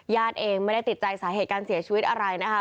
เองไม่ได้ติดใจสาเหตุการเสียชีวิตอะไรนะคะ